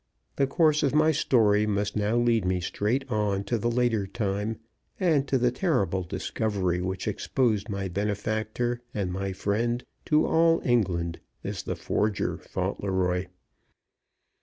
The course of my story must now lead me straight on to the later time, and to the terrible discovery which exposed my benefactor and my friend to all England as the forger Fauntleroy.